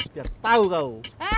biar tahu kau